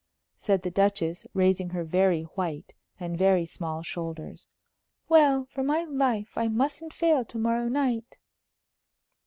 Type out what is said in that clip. said the Duchess, raising her very white and very small shoulders. "Well, for my life, I mustn't fail to morrow night."